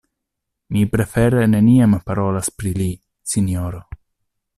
Mi prefere neniam parolas pri li, sinjoro.